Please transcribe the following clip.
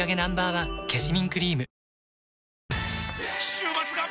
週末が！！